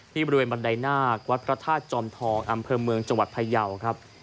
บริเวณบันไดนาควัดพระธาตุจอมทองอำเภอเมืองจังหวัดพยาวครับ